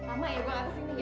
lama ya gua ga kesini ya